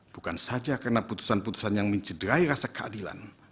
bukan saja karena putusan putusan yang mencederai rasa keadilan